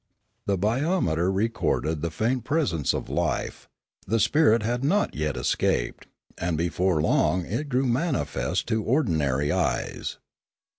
The biometer recorded the faint presence of life; the spirit had not yet escaped, and before long it grew manifest to ordinary eyes.